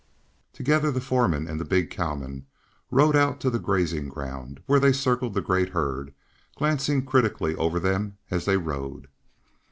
Together the foreman and the big cowman rode out to the grazing ground, where they circled the great herd, glancing critically over them as they rode.